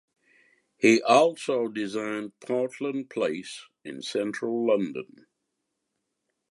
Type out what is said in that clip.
He also designed Portland Place in central London.